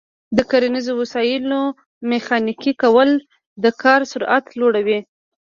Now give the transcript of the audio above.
د کرنیزو وسایلو میخانیکي کول د کار سرعت لوړوي.